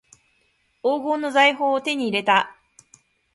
黄金の財宝を手に入れた